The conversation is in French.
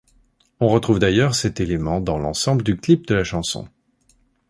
On retrouve d'ailleurs cet élément dans l'ensemble du clip de la chanson.